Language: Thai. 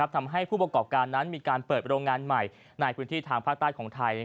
ทำให้ผู้ประกอบการนั้นมีการเปิดโรงงานใหม่ในพื้นที่ทางภาคใต้ของไทย